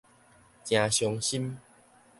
誠傷心